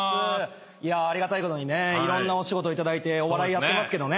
ありがたいことにいろんなお仕事頂いてお笑いやってますけどね。